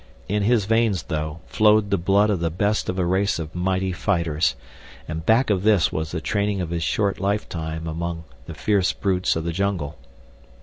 In his veins, though, flowed the blood of the best of a race of mighty fighters, and back of this was the training of his short lifetime among the fierce brutes of the jungle.